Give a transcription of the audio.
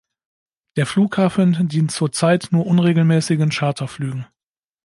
Der Flughafen dient zurzeit nur unregelmäßigen Charterflügen.